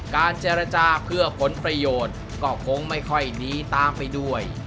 การเจรจาเพื่อผลประโยชน์ก็คงไม่ค่อยดีตามไปด้วย